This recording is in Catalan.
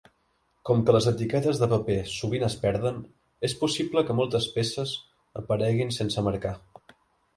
Com que les etiquetes de paper sovint es perden, és possible que moltes peces apareguin sense marcar.